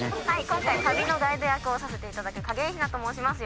今回旅のガイド役をさせていただだく景井ひなと申します